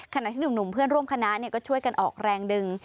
ขณะที่หนุ่มเพื่อนร่วมคณะก็ช่วยกันออกแรงดึง